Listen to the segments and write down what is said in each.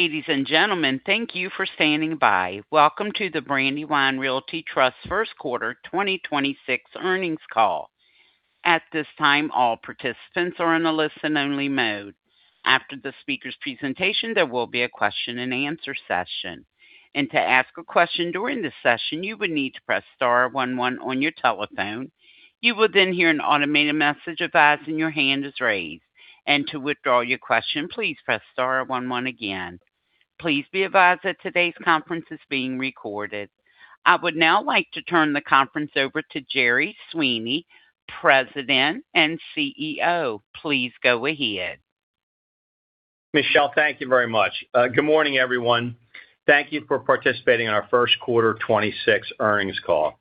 Ladies and gentlemen, thank you for standing by. Welcome to the Brandywine Realty Trust first quarter 2026 earnings call. At this time, all participants are in a listen only mode. After the speaker's presentation, there will be a question and answer session. To ask a question during the session, you would need to press star one one on your telephone. You will then hear an automated message advising your hand is raised. To withdraw your question, please press star one one again. Please be advised that today's conference is being recorded. I would now like to turn the conference over to Jerry Sweeney, President and CEO. Please go ahead. Michelle, thank you very much. Good morning, everyone. Thank you for participating in our first quarter 2026 earnings call.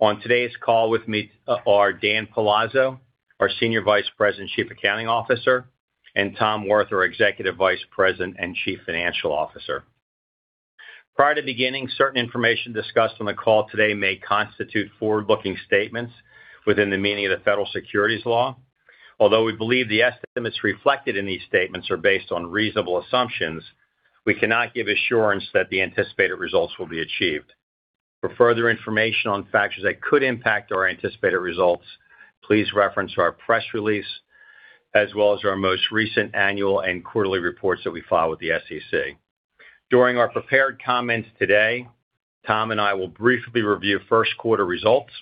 On today's call with me are Dan Palazzo, our Senior Vice President, Chief Accounting Officer, and Tom Wirth, our Executive Vice President and Chief Financial Officer. Prior to beginning, certain information discussed on the call today may constitute forward-looking statements within the meaning of the federal securities law. Although we believe the estimates reflected in these statements are based on reasonable assumptions, we cannot give assurance that the anticipated results will be achieved. For further information on factors that could impact our anticipated results, please reference our press release as well as our most recent annual and quarterly reports that we file with the SEC. During our prepared comments today, Tom and I will briefly review first quarter results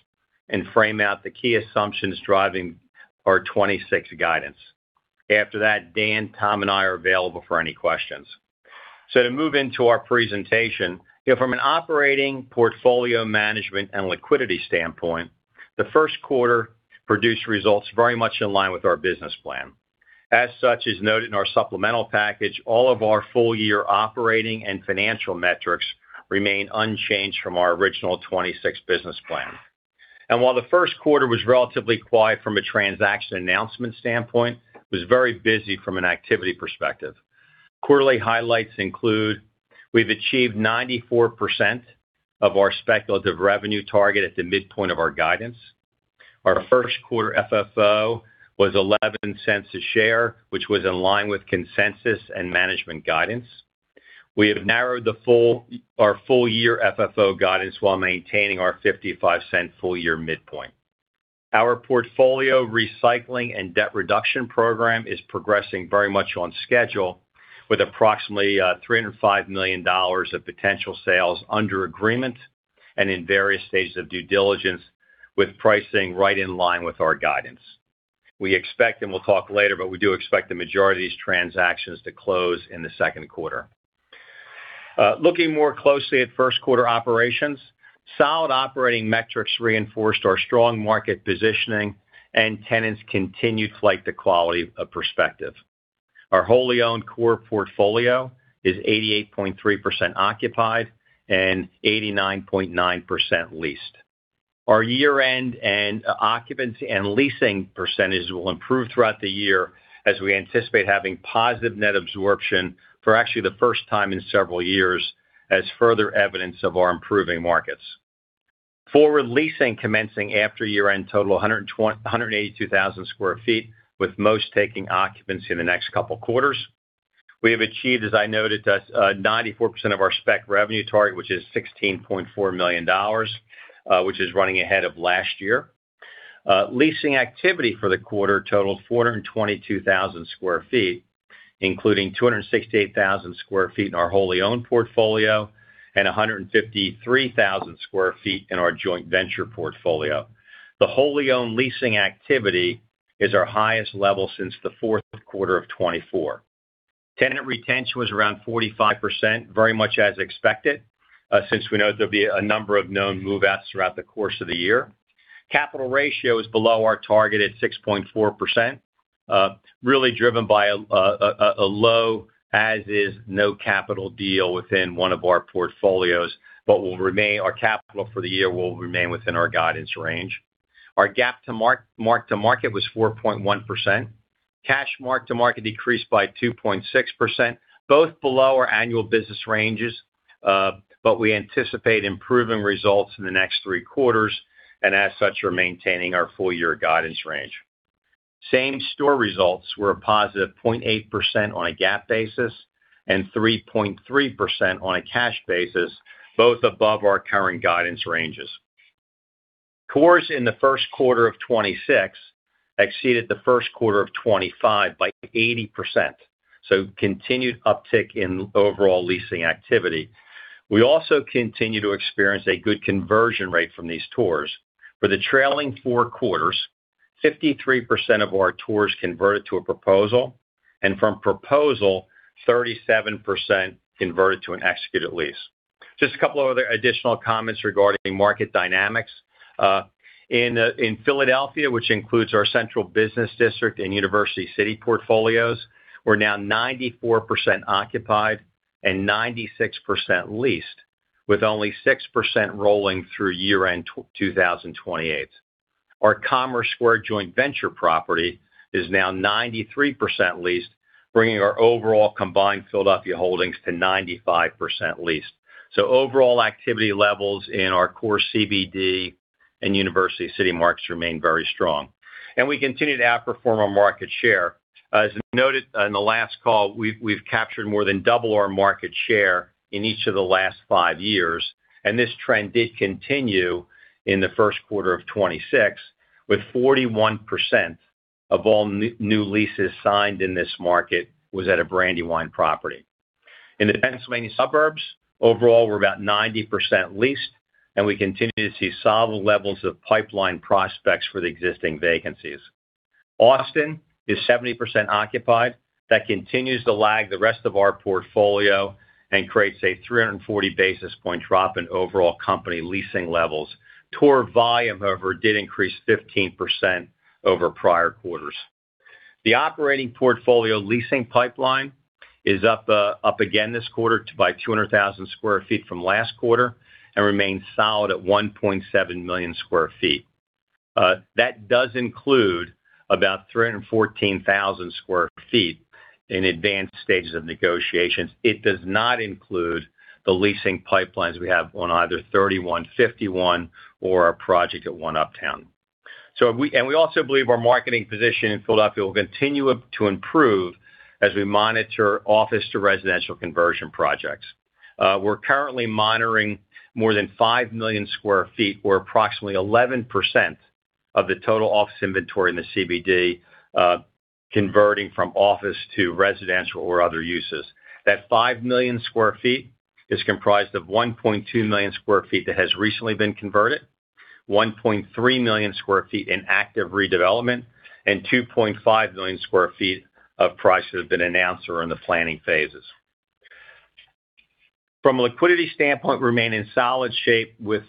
and frame out the key assumptions driving our 2026 guidance. After that, Dan, Tom, and I are available for any questions. To move into our presentation, from an operating portfolio management and liquidity standpoint, the first quarter produced results very much in line with our business plan. As such, as noted in our supplemental package, all of our full year operating and financial metrics remain unchanged from our original 2026 business plan. While the first quarter was relatively quiet from a transaction announcement standpoint, it was very busy from an activity perspective. Quarterly highlights include we've achieved 94% of our speculative revenue target at the midpoint of our guidance. Our first quarter FFO was $0.11 a share, which was in line with consensus and management guidance. We have narrowed our full year FFO guidance while maintaining our $0.55 full year midpoint. Our portfolio recycling and debt reduction program is progressing very much on schedule with approximately $305 million of potential sales under agreement and in various stages of due diligence with pricing right in line with our guidance. We expect, and we'll talk later, but we do expect the majority of these transactions to close in the second quarter. Looking more closely at first quarter operations, solid operating metrics reinforced our strong market positioning and tenants continued to like the quality of our properties. Our wholly owned core portfolio is 88.3% occupied and 89.9% leased. Our year-end occupancy and leasing percentages will improve throughout the year as we anticipate having positive net absorption for actually the first time in several years as further evidence of our improving markets. For leasing commencing after year-end, total 182,000 sq ft with most taking occupancy in the next couple quarters. We have achieved, as I noted, 94% of our spec revenue target, which is $16.4 million, which is running ahead of last year. Leasing activity for the quarter totaled 422,000 sq ft, including 268,000 sq ft in our wholly owned portfolio and 153,000 sq ft in our joint venture portfolio. The wholly owned leasing activity is our highest level since the fourth quarter of 2024. Tenant retention was around 45%, very much as expected, since we know there'll be a number of known move outs throughout the course of the year. Cap rate is below our target at 6.4%, really driven by a low as-is, no-capex deal within one of our portfolios, but our capex for the year will remain within our guidance range. Our GAAP mark-to-market was 4.1%. Cash mark-to-market decreased by 2.6%, both below our annual business ranges, but we anticipate improving results in the next three quarters, and as such, are maintaining our full year guidance range. Same store results were a positive 0.8% on a GAAP basis and 3.3% on a cash basis, both above our current guidance ranges. Tours in the first quarter of 2026 exceeded the first quarter of 2025 by 80%, so continued uptick in overall leasing activity. We also continue to experience a good conversion rate from these tours. For the trailing four quarters, 53% of our tours converted to a proposal, and from proposal, 37% converted to an executed lease. Just a couple of other additional comments regarding market dynamics. In Philadelphia, which includes our central business district and University City portfolios, we're now 94% occupied and 96% leased with only 6% rolling through year-end 2028. Our Commerce Square joint venture property is now 93% leased, bringing our overall combined Philadelphia holdings to 95% leased. Overall activity levels in our core CBD and University City markets remain very strong. We continue to outperform on market share. As we noted on the last call, we've captured more than double our market share in each of the last five years, and this trend did continue in the first quarter of 2026, with 41% of all new leases signed in this market was at a Brandywine property. In the Pennsylvania suburbs, overall we're about 90% leased, and we continue to see solid levels of pipeline prospects for the existing vacancies. Austin is 70% occupied. That continues to lag the rest of our portfolio and creates a 340 basis point drop in overall company leasing levels. Tour volume, however, did increase 15% over prior quarters. The operating portfolio leasing pipeline is up again this quarter by 200,000 sq ft from last quarter and remains solid at 1.7 million sq ft. That does include about 314,000 sq ft in advanced stages of negotiations. It does not include the leasing pipelines we have on either 3151 or our project at One Uptown. We also believe our marketing position in Philadelphia will continue to improve as we monitor office to residential conversion projects. We're currently monitoring more than 5 million sq ft, or approximately 11% of the total office inventory in the CBD, converting from office to residential or other uses. That 5 million sq ft is comprised of 1.2 million sq ft that has recently been converted, 1.3 million sq ft in active redevelopment, and 2.5 million sq ft of projects that have been announced or are in the planning phases. From a liquidity standpoint, we remain in solid shape with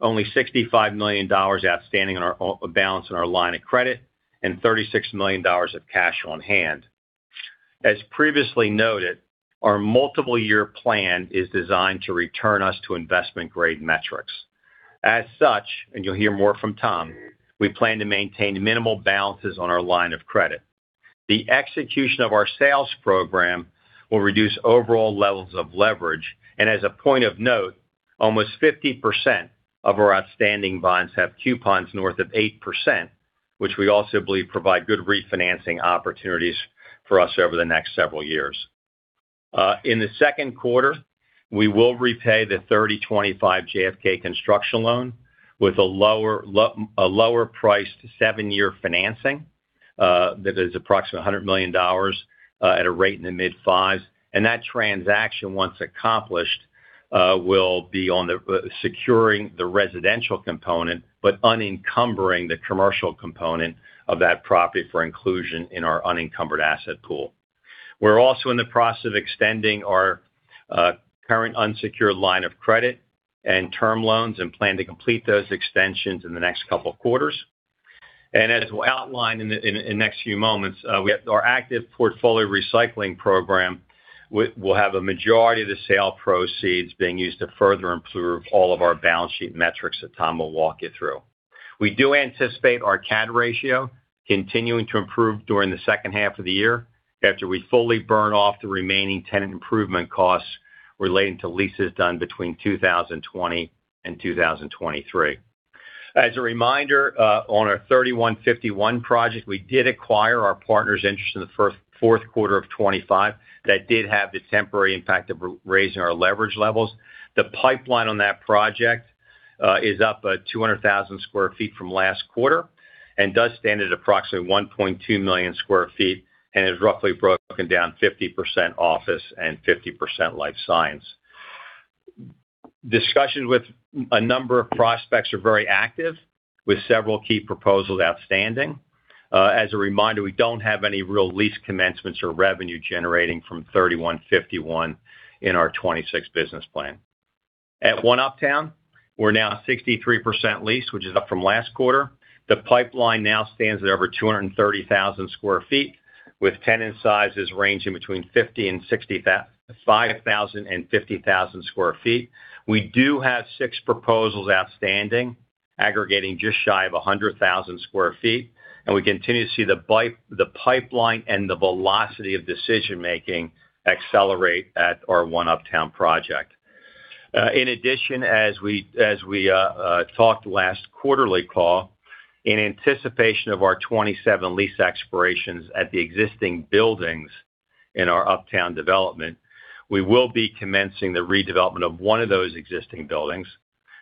only $65 million outstanding on our balance sheet in our line of credit and $36 million of cash on hand. As previously noted, our multiple year plan is designed to return us to investment grade metrics. As such, and you'll hear more from Tom, we plan to maintain minimal balances on our line of credit. The execution of our sales program will reduce overall levels of leverage. As a point of note, almost 50% of our outstanding bonds have coupons north of 8%, which we also believe provide good refinancing opportunities for us over the next several years. In the second quarter, we will repay the 3025 JFK construction loan with a lower-priced seven-year financing that is approximately $100 million at a rate in the mid-fives. That transaction, once accomplished, will be on securing the residential component, but unencumbering the commercial component of that property for inclusion in our unencumbered asset pool. We're also in the process of extending our current unsecured line of credit and term loans and plan to complete those extensions in the next couple of quarters. As we'll outline in the next few moments, our active portfolio recycling program will have a majority of the sale proceeds being used to further improve all of our balance sheet metrics that Tom will walk you through. We do anticipate our CAD ratio continuing to improve during the second half of the year after we fully burn off the remaining tenant improvement costs relating to leases done between 2020 and 2023. As a reminder, on our 3151 project, we did acquire our partner's interest in the fourth quarter of 2025. That did have the temporary impact of raising our leverage levels. The pipeline on that project is up 200,000 sq ft from last quarter and does stand at approximately 1.2 million sq ft and is roughly broken down 50% office and 50% Life Science. Discussions with a number of prospects are very active with several key proposals outstanding. As a reminder, we don't have any real lease commencements or revenue generating from 3151 in our 2026 business plan. At One Uptown, we're now 63% leased, which is up from last quarter. The pipeline now stands at over 230,000 sq ft with tenant sizes ranging between 5,000 sq ft and 50,000 sq ft. We do have six proposals outstanding aggregating just shy of 100,000 sq ft, and we continue to see the pipeline and the velocity of decision making accelerate at our One Uptown project. In addition, as we talked last quarterly call, in anticipation of our 2027 lease expirations at the existing buildings in our Uptown development, we will be commencing the redevelopment of one of those existing buildings.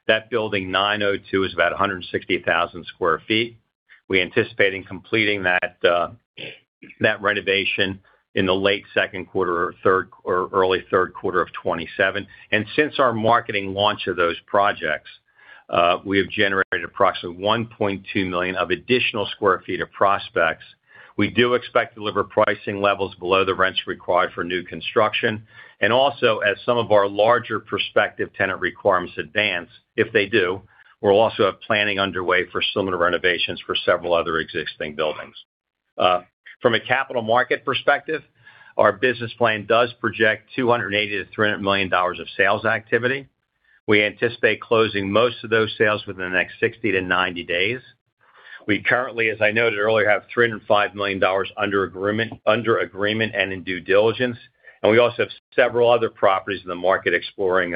That building, 902, is about 160,000 sq ft. We're anticipating completing that renovation in the late second quarter or early third quarter of 2027. Since our marketing launch of those projects, we have generated approximately 1.2 million sq ft of additional prospects. We do expect to deliver pricing levels below the rents required for new construction, and also as some of our larger prospective tenant requirements advance, if they do, we'll also have planning underway for similar renovations for several other existing buildings. From a capital market perspective, our business plan does project $280 million-$300 million of sales activity. We anticipate closing most of those sales within the next 60-90 days. We currently, as I noted earlier, have $305 million under agreement and in due diligence. We also have several other properties in the market exploring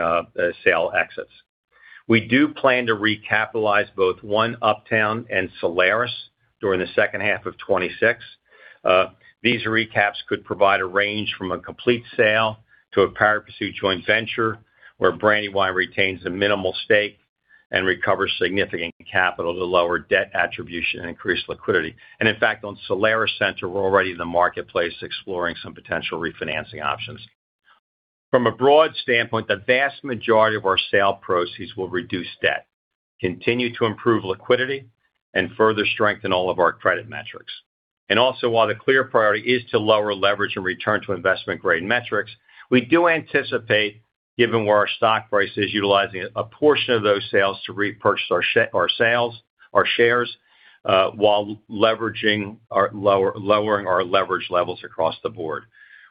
sale exits. We do plan to recapitalize both One Uptown and Solaris during the second half of 2026. These recaps could provide a range from a complete sale to a pari-passu joint venture where Brandywine retains a minimal stake and recovers significant capital to lower debt attribution and increase liquidity. In fact, on Solaris Center, we're already in the marketplace exploring some potential refinancing options. From a broad standpoint, the vast majority of our sale proceeds will reduce debt, continue to improve liquidity, and further strengthen all of our credit metrics. Also while the clear priority is to lower leverage and return to investment-grade metrics, we do anticipate, given where our stock price is, utilizing a portion of those sales to repurchase our shares while lowering our leverage levels across the board.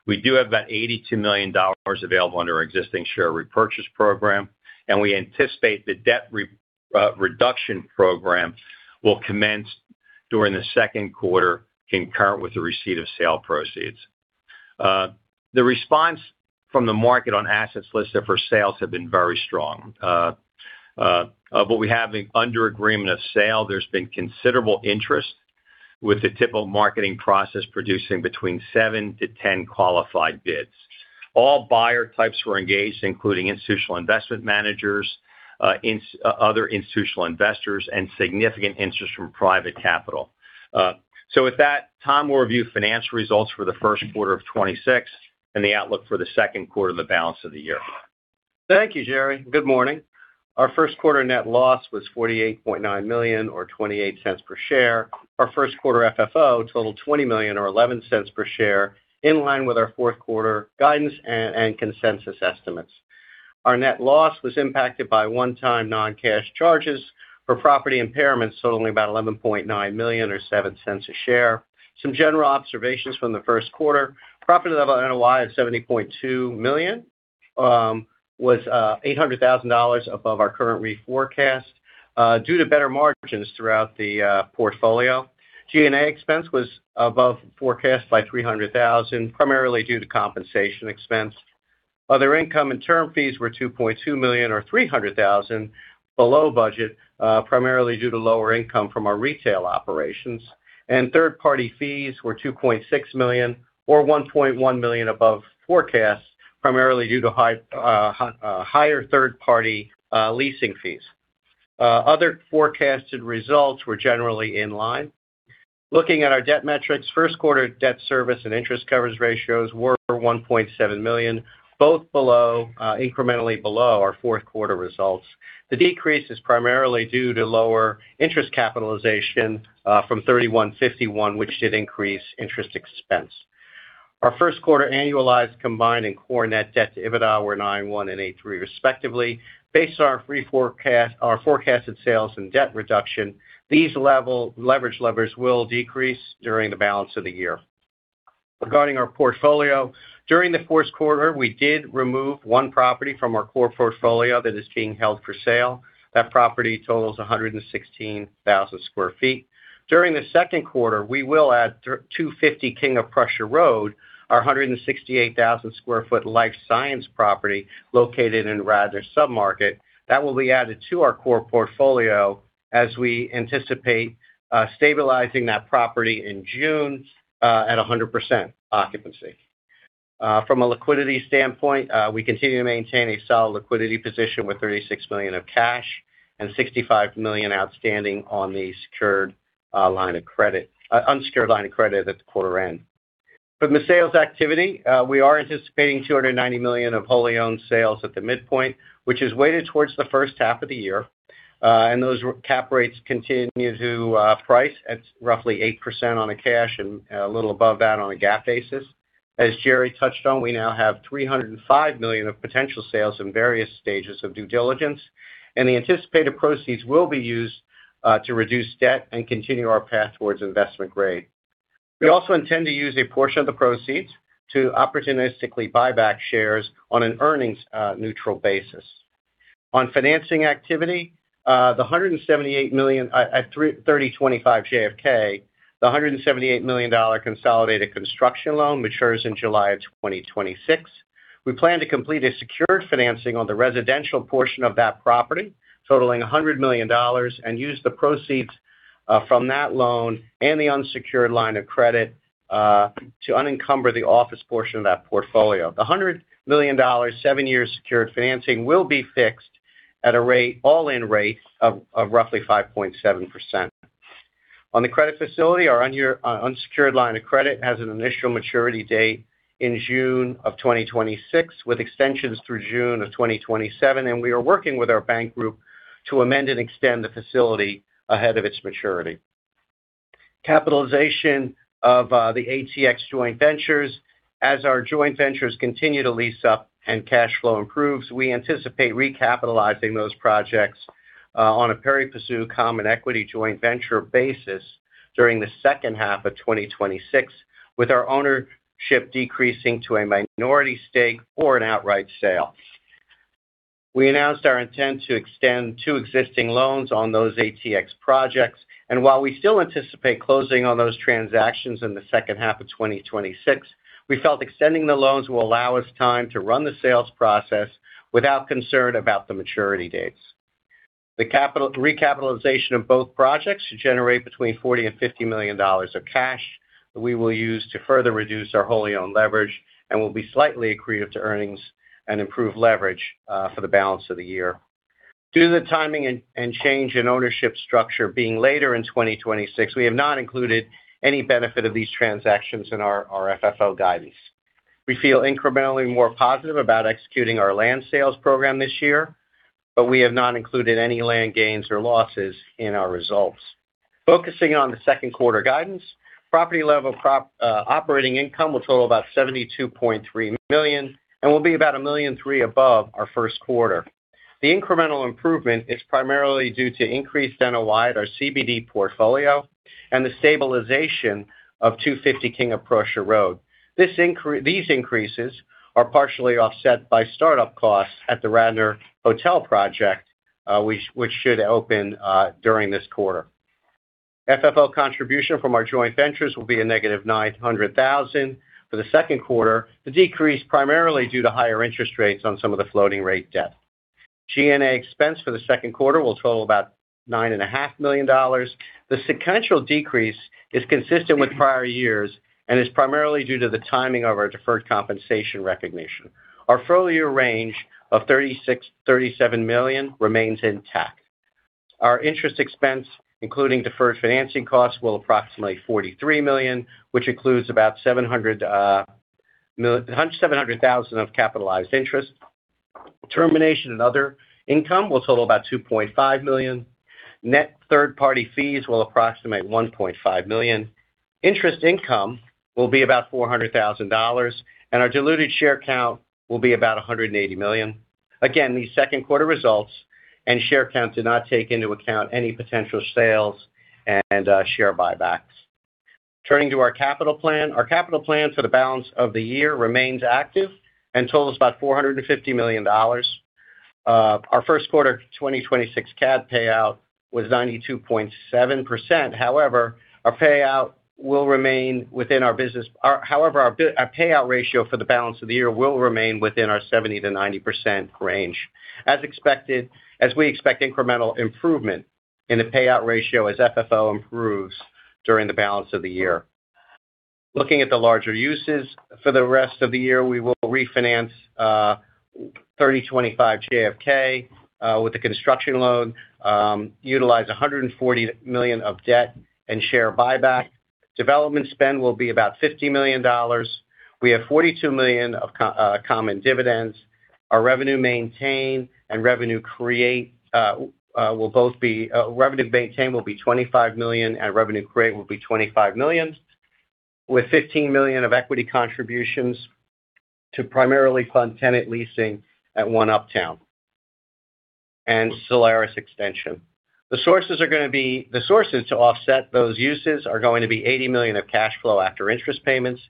We do have about $82 million available under our existing share repurchase program, and we anticipate the debt reduction program will commence during the second quarter concurrent with the receipt of sale proceeds. The response from the market on assets listed for sales have been very strong. Of what we have under agreement of sale, there's been considerable interest, with the typical marketing process producing between seven to 10 qualified bids. All buyer types were engaged, including institutional investment managers, other institutional investors, and significant interest from private capital. With that, Tom will review financial results for the first quarter of 2026 and the outlook for the second quarter and the balance of the year. Thank you, Jerry. Good morning. Our first quarter net loss was $48.9 million, or $0.28 per share. Our first quarter FFO totaled $20 million or $0.11 per share, in line with our fourth quarter guidance and consensus estimates. Our net loss was impacted by one-time non-cash charges for property impairments totaling about $11.9 million, or $0.07 per share. Some general observations from the first quarter. Property level NOI of $70.2 million was $800,000 above our current reforecast due to better margins throughout the portfolio. G&A expense was above forecast by $300,000, primarily due to compensation expense. Other income and term fees were $2.2 million or $300,000 below budget primarily due to lower income from our retail operations. Third-party fees were $2.6 million or $1.1 million above forecasts primarily due to higher third-party leasing fees. Other forecasted results were generally in line. Looking at our debt metrics, first quarter debt service and interest coverage ratios were 1.7 million, both incrementally below our fourth quarter results. The decrease is primarily due to lower interest capitalization from 3151, which did increase interest expense. Our first quarter annualized combined and core net debt to EBITDA were 9.1 and 8.3 respectively. Based on our forecasted sales and debt reduction, these leverage levels will decrease during the balance of the year. Regarding our portfolio, during the first quarter, we did remove one property from our core portfolio that is being held for sale. That property totals 116,000 sq ft. During the second quarter, we will add 250 King of Prussia Road, our 168,000 sq ft Life Science property located in Radnor Submarket. That will be added to our core portfolio as we anticipate stabilizing that property in June at 100% occupancy. From a liquidity standpoint, we continue to maintain a solid liquidity position with $36 million of cash and $65 million outstanding on the unsecured line of credit at the quarter end. From the sales activity, we are anticipating $290 million of wholly owned sales at the midpoint, which is weighted towards the first half of the year. Those cap rates continue to price at roughly 8% on a cash and a little above that on a GAAP basis. As Jerry touched on, we now have $305 million of potential sales in various stages of due diligence, and the anticipated proceeds will be used to reduce debt and continue our path towards investment grade. We also intend to use a portion of the proceeds to opportunistically buy back shares on an earnings neutral basis. On financing activity, the $178 million at 3025 JFK, the $178 million consolidated construction loan matures in July of 2026. We plan to complete a secured financing on the residential portion of that property totaling $100 million and use the proceeds from that loan and the unsecured line of credit to unencumber the office portion of that portfolio. The $100 million seven-year secured financing will be fixed at an all-in rate of roughly 5.7%. On the credit facility, our unsecured line of credit has an initial maturity date in June of 2026, with extensions through June of 2027, and we are working with our bank group to amend and extend the facility ahead of its maturity. Capitalization of the ATX joint ventures. As our joint ventures continue to lease up and cash flow improves, we anticipate recapitalizing those projects on a pari-passu common equity joint venture basis during the second half of 2026, with our ownership decreasing to a minority stake or an outright sale. We announced our intent to extend two existing loans on those ATX projects. While we still anticipate closing on those transactions in the second half of 2026, we felt extending the loans will allow us time to run the sales process without concern about the maturity dates. The recapitalization of both projects should generate between $40 million and $50 million of cash that we will use to further reduce our wholly owned leverage and will be slightly accretive to earnings and improve leverage for the balance of the year. Due to the timing and change in ownership structure being later in 2026, we have not included any benefit of these transactions in our FFO guidance. We feel incrementally more positive about executing our land sales program this year, but we have not included any land gains or losses in our results. Focusing on the second quarter guidance, property level operating income will total about $72.3 million and will be about $1.3 million above our first quarter. The incremental improvement is primarily due to increased NOI at our CBD portfolio and the stabilization of 250 King of Prussia Road. These increases are partially offset by startup costs at The Radnor Hotel project, which should open during this quarter. FFO contribution from our joint ventures will be -$900,000 for the second quarter. The decrease primarily due to higher interest rates on some of the floating rate debt. G&A expense for the second quarter will total about $9.5 million. The sequential decrease is consistent with prior years and is primarily due to the timing of our deferred compensation recognition. Our full-year range of $36 million-$37 million remains intact. Our interest expense, including deferred financing costs, will approximate $43 million, which includes about $700,000 of capitalized interest. Termination and other income will total about $2.5 million. Net third-party fees will approximate $1.5 million. Interest income will be about $400,000, and our diluted share count will be about 180 million. Again, these second quarter results and share counts did not take into account any potential sales and share buybacks. Turning to our capital plan. Our capital plan for the balance of the year remains active and totals about $450 million. Our first quarter 2026 CAD payout was 92.7%. However, our payout ratio for the balance of the year will remain within our 70%-90% range as we expect incremental improvement in the payout ratio as FFO improves during the balance of the year. Looking at the larger uses for the rest of the year, we will refinance 3025 JFK with a construction loan, utilize $140 million of debt and share buyback. Development spend will be about $50 million. We have $42 million of common dividends. Our revenue maintain will be $25 million, and revenue create will be $25 million, with $15 million of equity contributions to primarily fund tenant leasing at One Uptown and Solaris extension. The sources to offset those uses are going to be $80 million of cash flow after interest payments,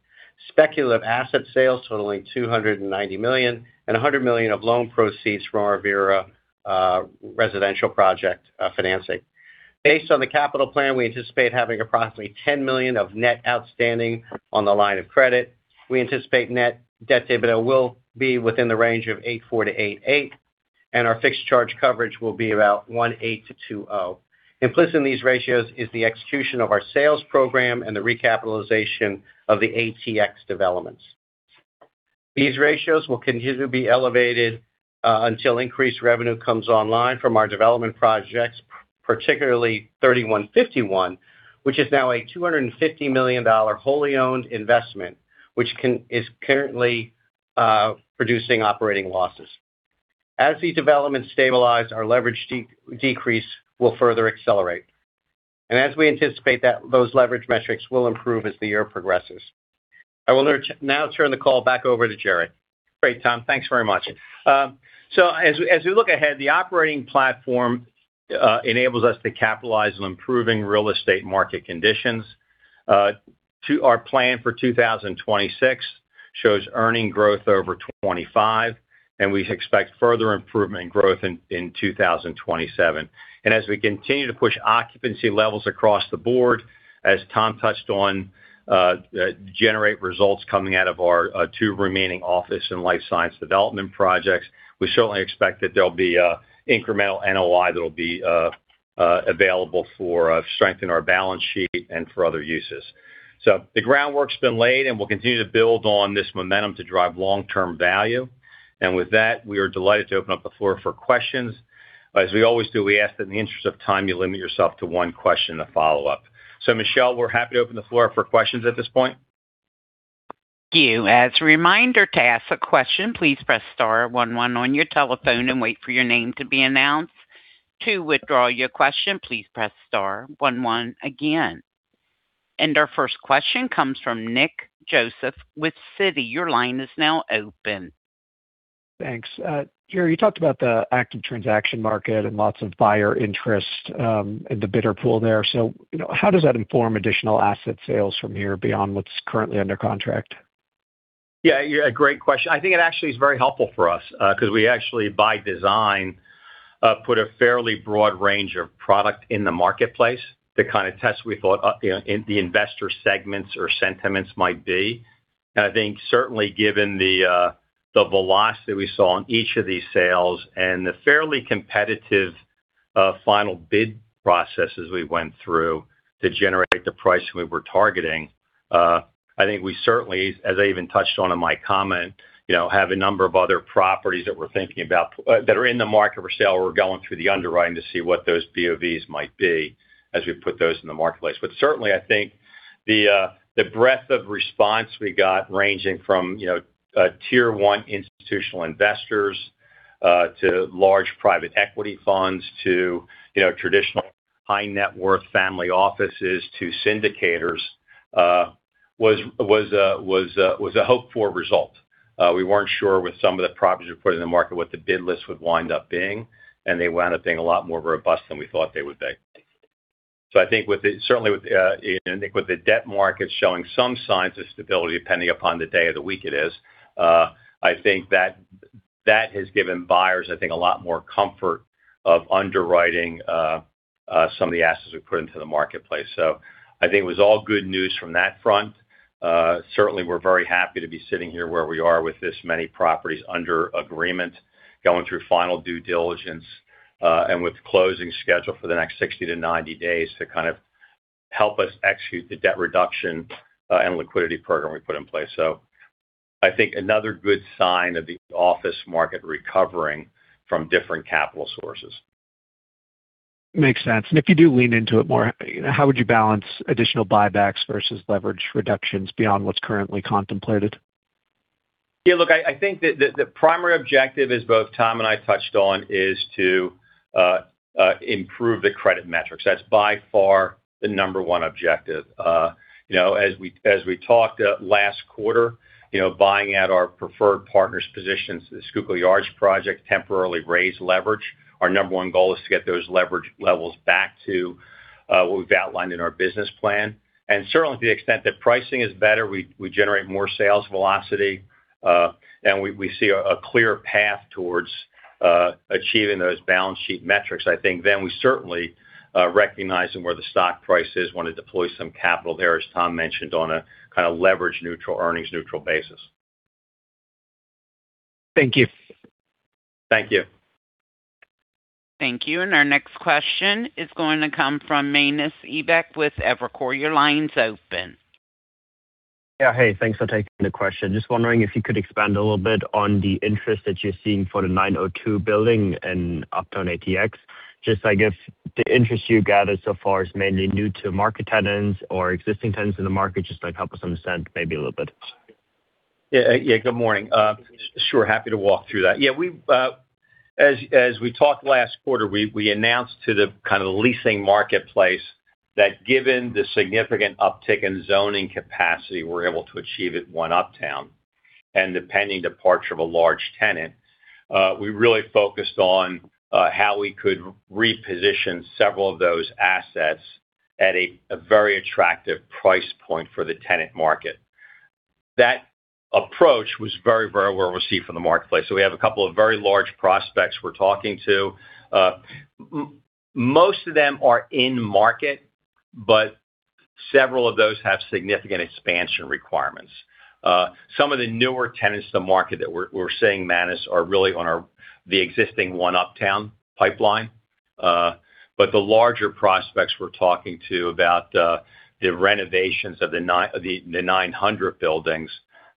speculative asset sales totaling $290 million, and $100 million of loan proceeds from our Avira residential project financing. Based on the capital plan, we anticipate having approximately $10 million of net outstanding on the line of credit. We anticipate net debt-to-EBITDA will be within the range of 8.4-8.8, and our fixed charge coverage will be about 1.8-2.0. Implicit in these ratios is the execution of our sales program and the recapitalization of the ATX developments. These ratios will continue to be elevated until increased revenue comes online from our development projects, particularly 3151, which is now a $250 million wholly owned investment, which is currently producing operating losses. As these developments stabilize, our leverage decrease will further accelerate. As we anticipate that, those leverage metrics will improve as the year progresses. I will now turn the call back over to Jerry. Great, Tom, thanks very much. As we look ahead, the operating platform enables us to capitalize on improving real estate market conditions. Our plan for 2026 shows earnings growth over 25%, and we expect further improvement in growth in 2027. As we continue to push occupancy levels across the board, as Tom touched on, generate results coming out of our two remaining office and Life Science development projects, we certainly expect that there'll be incremental NOI that'll be available for strengthening our balance sheet and for other uses. The groundwork's been laid, and we'll continue to build on this momentum to drive long-term value. With that, we are delighted to open up the floor for questions. As we always do, we ask that in the interest of time, you limit yourself to one question and a follow-up. Michelle, we're happy to open the floor up for questions at this point. Thank you. As a reminder to ask a question, please press star one one on your telephone and wait for your name to be announced. To withdraw your question, please press star one one again. Our first question comes from Nick Joseph with Citi. Your line is now open. Thanks. Jerry, you talked about the active transaction market and lots of buyer interest in the bidder pool there. How does that inform additional asset sales from here beyond what's currently under contract? Yeah. A great question. I think it actually is very helpful for us because we actually, by design, put a fairly broad range of product in the marketplace to kind of test what we thought the investor segments or sentiments might be. I think certainly given the velocity we saw on each of these sales and the fairly competitive final bid processes we went through to generate the pricing we were targeting, I think we certainly, as I even touched on in my comment, have a number of other properties that we're thinking about that are in the market for sale. We're going through the underwriting to see what those BOVs might be as we put those in the marketplace. Certainly, I think the breadth of response we got ranging from tier one institutional investors to large private equity funds, to traditional high net worth family offices, to syndicators, was a hoped-for result. We weren't sure with some of the properties we put in the market what the bid list would wind up being, and they wound up being a lot more robust than we thought they would be. Certainly, I think with the debt market showing some signs of stability, depending upon the day of the week it is, I think that has given buyers, I think, a lot more comfort of underwriting some of the assets we put into the marketplace. I think it was all good news from that front. Certainly, we're very happy to be sitting here where we are with this many properties under agreement, going through final due diligence, and with closing schedule for the next 60-90 days to kind of help us execute the debt reduction and liquidity program we put in place. I think another good sign of the office market recovering from different capital sources. Makes sense. If you do lean into it more, how would you balance additional buybacks versus leverage reductions beyond what's currently contemplated? Yeah, look, I think the primary objective is both Tom and I touched on is to improve the credit metrics. That's by far the number one objective. As we talked last quarter, buying out our preferred partners positions, the Schuylkill Yards project temporarily raised leverage. Our number one goal is to get those leverage levels back to what we've outlined in our business plan. Certainly, to the extent that pricing is better, we generate more sales velocity, and we see a clear path towards achieving those balance sheet metrics. I think then we certainly, recognizing where the stock price is, want to deploy some capital there, as Tom mentioned, on a kind of leverage neutral, earnings neutral basis. Thank you. Thank you. Thank you. Our next question is going to come from Manus Ebbecke with Evercore. Your line's open. Hey, thanks for taking the question. Just wondering if you could expand a little bit on the interest that you're seeing for the 902 building in Uptown ATX. Just if the interest you gathered so far is mainly new to market tenants or existing tenants in the market, just to help us understand maybe a little bit. Yeah. Good morning. Sure, happy to walk through that. As we talked last quarter, we announced to the kind of leasing marketplace that given the significant uptick in zoning capacity we're able to achieve at One Uptown and the pending departure of a large tenant, we really focused on how we could reposition several of those assets at a very attractive price point for the tenant market. That approach was very, very well received from the marketplace, so we have a couple of very large prospects we're talking to. Most of them are in market, but several of those have significant expansion requirements. Some of the newer tenants to market that we're seeing, Manus, are really on the existing One Uptown pipeline. The larger prospects we're talking to about the renovations of the 900 buildings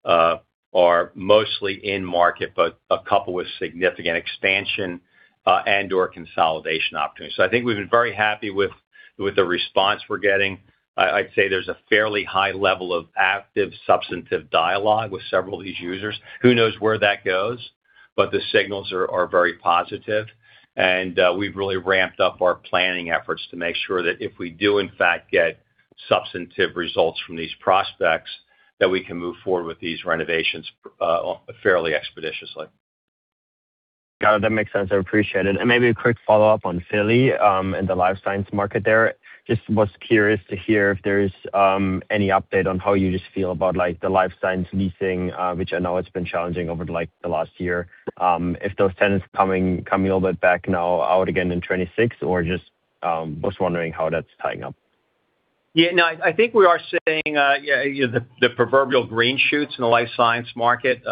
are mostly in market, but a couple with significant expansion and/or consolidation opportunities. I think we've been very happy with the response we're getting. I'd say there's a fairly high level of active, substantive dialogue with several of these users. Who knows where that goes, but the signals are very positive, and we've really ramped up our planning efforts to make sure that if we do in fact get substantive results from these prospects, that we can move forward with these renovations fairly expeditiously. Got it. That makes sense. I appreciate it. Maybe a quick follow-up on Philly, and the Life Science market there. I was just curious to hear if there's any update on how you just feel about the Life Science leasing, which I know it's been challenging over the last year. If those tenants coming a little bit back now or not again in 2026, or I was just wondering how that's tying up? Yeah, no, I think we are seeing the proverbial green shoots in the Life Science market,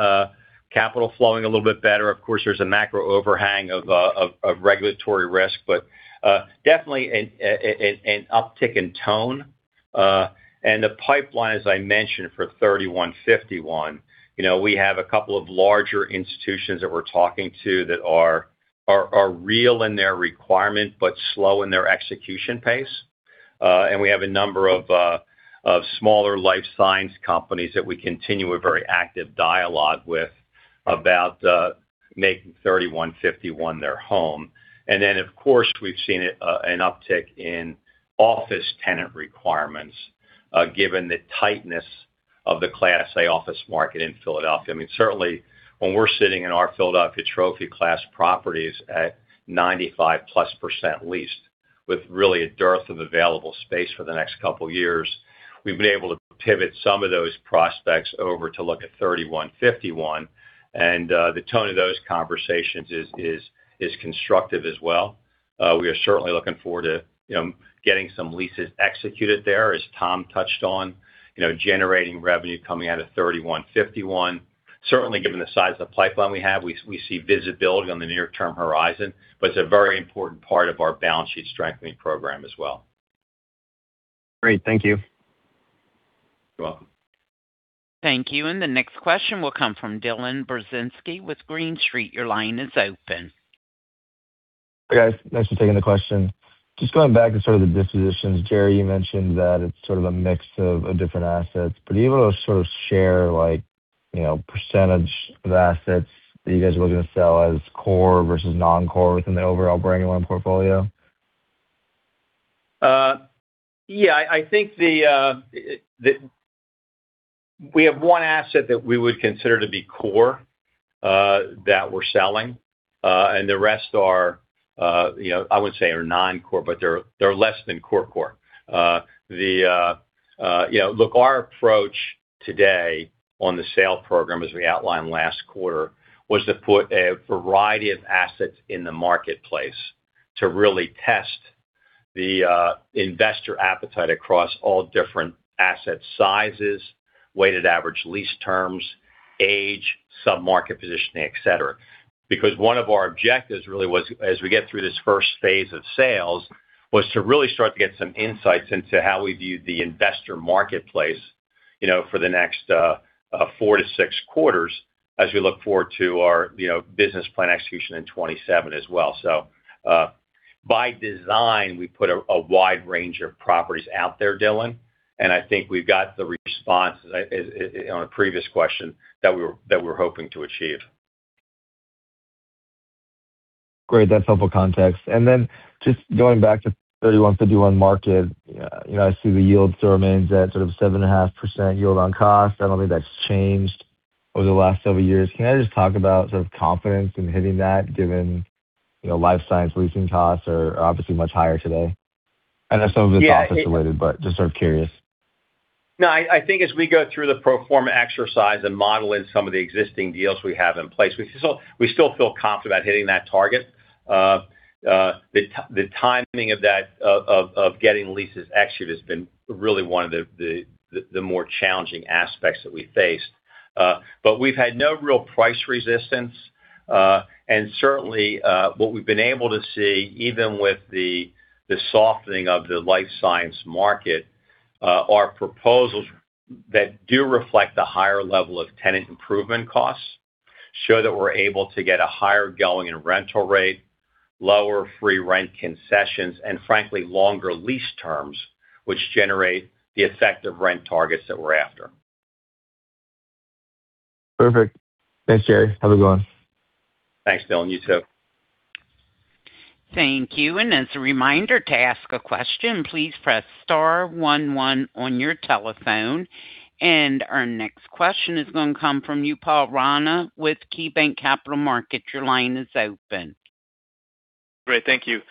capital flowing a little bit better. Of course, there's a macro overhang of regulatory risk, but definitely an uptick in tone. The pipeline, as I mentioned for 3151, we have a couple of larger institutions that we're talking to that are real in their requirement but slow in their execution pace. We have a number of smaller Life Science companies that we continue a very active dialogue with about making 3151 their home. Then, of course, we've seen an uptick in office tenant requirements, given the tightness of the Class A office market in Philadelphia. I mean, certainly when we're sitting in our Philadelphia trophy class properties at 95%+ leased, with really a dearth of available space for the next couple of years, we've been able to pivot some of those prospects over to look at 3151, and the tone of those conversations is constructive as well. We are certainly looking forward to getting some leases executed there, as Tom touched on, generating revenue coming out of 3151. Certainly, given the size of the pipeline we have, we see visibility on the near-term horizon, but it's a very important part of our balance sheet strengthening program as well. Great. Thank you. You're welcome. Thank you. The next question will come from Dylan Burzinski with Green Street. Your line is open. Hi, guys. Thanks for taking the question. Just going back to sort of the dispositions. Jerry, you mentioned that it's sort of a mix of different assets, but are you able to sort of share percentage of assets that you guys are looking to sell as core versus non-core within the overall Brandywine portfolio? Yeah. I think we have one asset that we would consider to be core that we're selling, and the rest are, I wouldn't say they are non-core, but they're less than core-core. Look, our approach today on the sale program, as we outlined last quarter, was to put a variety of assets in the marketplace to really test the investor appetite across all different asset sizes, weighted average lease terms, age, sub-market positioning, etc. One of our objectives really was, as we get through this first phase of sales, to really start to get some insights into how we view the investor marketplace for the next four to six quarters as we look forward to our business plan execution in 2027 as well. By design, we put a wide range of properties out there, Dylan, and I think we've got the response on a previous question that we were hoping to achieve. Great. That's helpful context. Then just going back to 3151 Market, I see the yield still remains at sort of 7.5% yield on cost. I don't think that's changed over the last several years. Can I just talk about sort of confidence in hitting that given Life Science leasing costs are obviously much higher today? I know some of it's office related, but just sort of curious. No, I think as we go through the pro forma exercise and model in some of the existing deals we have in place, we still feel confident about hitting that target. The timing of getting leases executed has been really one of the more challenging aspects that we faced. We've had no real price resistance. Certainly, what we've been able to see, even with the softening of the Life Science market, are proposals that do reflect the higher level of tenant improvement costs, show that we're able to get a higher going-in rental rate, lower free rent concessions, and frankly, longer lease terms, which generate the effective rent targets that we're after. Perfect. Thanks, Jerry. Have a good one. Thanks, Dylan. You, too. Thank you. As a reminder to ask a question, please press star one one on your telephone. Our next question is going to come from you, Upal Rana, with KeyBanc Capital Markets. Your line is open. Great. Thank you.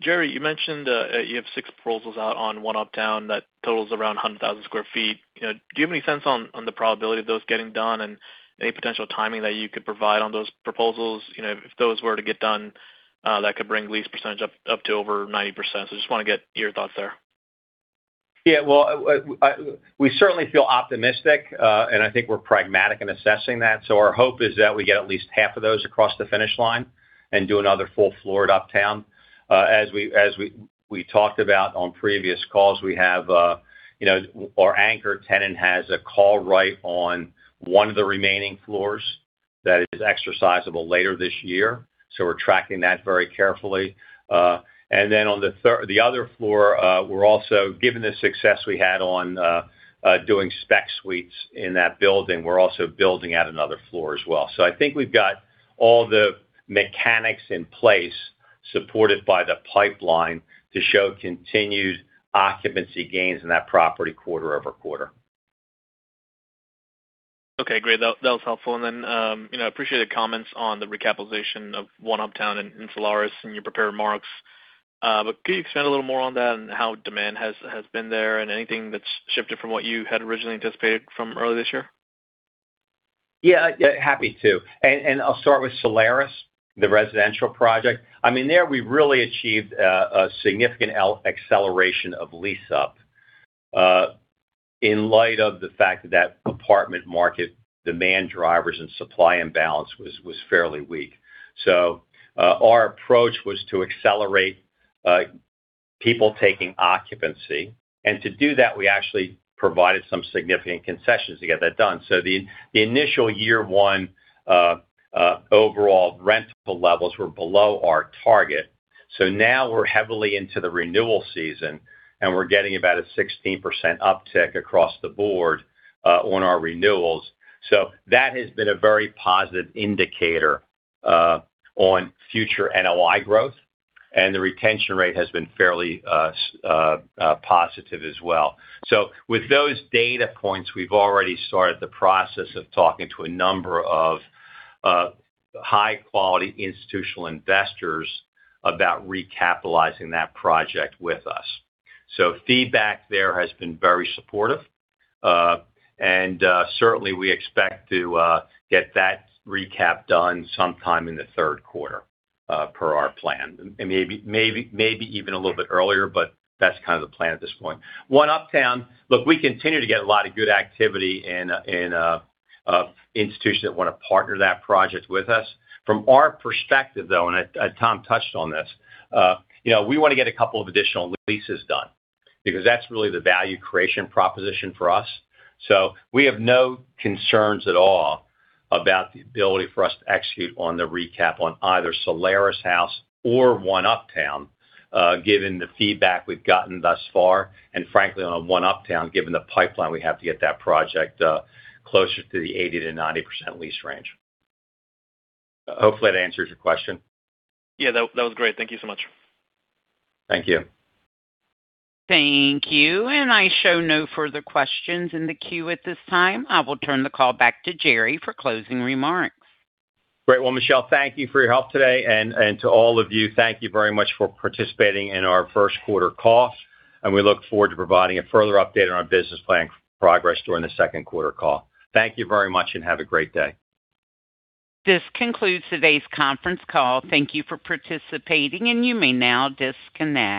Jerry, you mentioned you have six proposals out on One Uptown that totals around 100,000 sq ft. Do you have any sense on the probability of those getting done and any potential timing that you could provide on those proposals? If those were to get done, that could bring lease percentage up to over 90%. I just want to get your thoughts there. Yeah. Well, we certainly feel optimistic, and I think we're pragmatic in assessing that. Our hope is that we get at least half of those across the finish line and do another full floor at Uptown. As we talked about on previous calls, our anchor tenant has a call right on one of the remaining floors that is exercisable later this year. We're tracking that very carefully. Then on the other floor, given the success we had on doing spec suites in that building, we're also building out another floor as well. I think we've got all the mechanics in place, supported by the pipeline to show continued occupancy gains in that property quarter over quarter. Okay, great. That was helpful. I appreciate the comments on the recapitalization of One Uptown in Solaris in your prepared remarks. Could you expand a little more on that and how demand has been there and anything that's shifted from what you had originally anticipated from earlier this year? Yeah. Happy to. I'll start with Solaris, the residential project. There, we've really achieved a significant acceleration of lease up in light of the fact that the apartment market demand drivers and supply imbalance was fairly weak. Our approach was to accelerate people taking occupancy. To do that, we actually provided some significant concessions to get that done. The initial year one overall rentable levels were below our target. Now we're heavily into the renewal season, and we're getting about a 16% uptick across the board on our renewals. That has been a very positive indicator on future NOI growth, and the retention rate has been fairly positive as well. With those data points, we've already started the process of talking to a number of high-quality institutional investors about recapitalizing that project with us. Feedback there has been very supportive. Certainly, we expect to get that recap done sometime in the third quarter per our plan, and maybe even a little bit earlier, but that's kind of the plan at this point. One Uptown, look, we continue to get a lot of good activity in institution that want to partner that project with us. From our perspective, though, and Tom touched on this, we want to get a couple of additional leases done because that's really the value creation proposition for us. We have no concerns at all about the ability for us to execute on the recap on either Solaris House or One Uptown, given the feedback we've gotten thus far. Frankly, on One Uptown, given the pipeline, we have to get that project closer to the 80%-90% lease range. Hopefully, that answers your question. Yeah, that was great. Thank you so much. Thank you. Thank you. I show no further questions in the queue at this time. I will turn the call back to Jerry for closing remarks. Great. Well, Michelle, thank you for your help today. To all of you, thank you very much for participating in our first quarter call, and we look forward to providing a further update on our business plan progress during the second quarter call. Thank you very much and have a great day. This concludes today's conference call. Thank you for participating, and you may now disconnect.